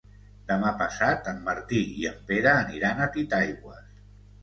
Demà passat en Martí i en Pere aniran a Titaigües.